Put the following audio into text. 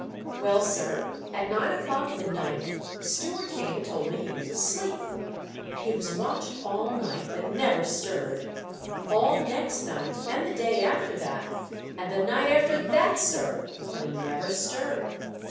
Well, sir, at nine o'clock in the night the steward came and told me he was asleep. He was watched all night, but never stirred ; all next night, and the day after that, and the night after that, sir, but he never stirred.